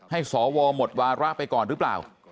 ให้สวหมดวาระไปก่อนหรือเปล่า